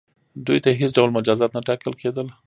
دوی ته هیڅ ډول مجازات نه ټاکل کیدل.